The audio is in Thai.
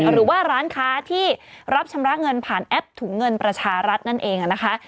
หรือว่าร้านค้าที่รับชำระเงินผ่านแอปถุงเงินประชารัฐนั่นเองนะคะ